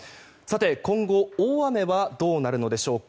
今後、大雨はどうなるのでしょうか。